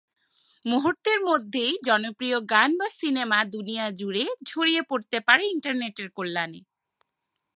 মুহুর্তের মধ্যেই জনপ্রিয় গান বা সিনেমা দুনিয়া জুড়ে ছড়িয়ে পরতে পারে ইন্টারনেটের কল্যানে।